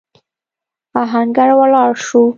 آهنګر ولاړ شو.